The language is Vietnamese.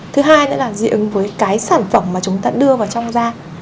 thứ hai nữa là dị ứng với cái sản phẩm mà chúng ta đưa vào trong da